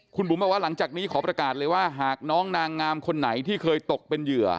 คุณบุ๋มบอกว่าหลังจากนี้ขอประกาศเลยว่าหากน้องนางงามคนไหนที่เคยตกเป็นเหยื่อ